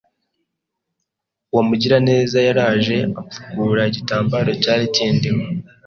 uwo mugiraneza yraje amfukura igitambaro cyari kindiho